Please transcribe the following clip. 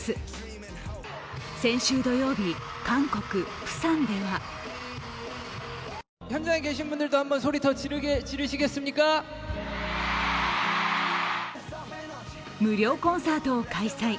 先週土曜日、韓国・プサンでは無料コンサートを開催。